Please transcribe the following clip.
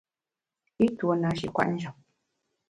I tuo nashi kwet njap.